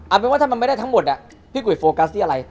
เอาเป็นว่าถ้ามันไม่ได้ทั้งหมดพี่กุยโฟกัสที่อะไร